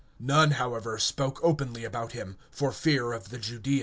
(13)No one, however, spoke openly of him, for fear of the Jews.